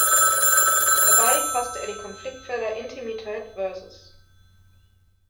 Dabei fasste er die Konfliktfelder "Intimität vs.